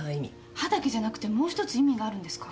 歯だけじゃなくてもう１つ意味があるんですか？